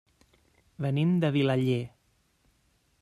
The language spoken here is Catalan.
Venim de Vilaller.